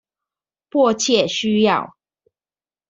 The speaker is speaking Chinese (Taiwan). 迫切需要